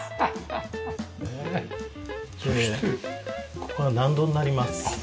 ここは納戸になります。